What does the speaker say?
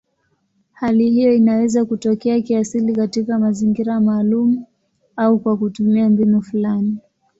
Hali hiyo inaweza kutokea kiasili katika mazingira maalumu au kwa kutumia mbinu fulani.